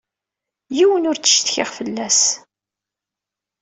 Yiwen ur ttcetkiɣ fell-as.